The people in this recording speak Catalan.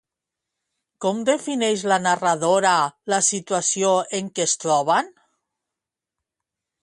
Com defineix la narradora la situació en què es troben?